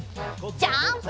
ジャンプ！